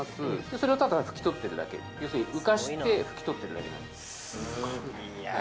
それをただ拭き取ってるだけ要するに浮かせて拭き取ってるだけなんです